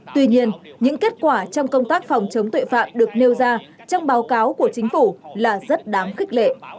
tuy nhiên những kết quả trong công tác phòng chống tội phạm được nêu ra trong báo cáo của chính phủ là rất đáng khích lệ